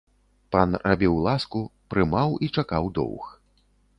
Пан рабіў ласку, прымаў і чакаў доўг.